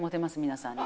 皆さんに。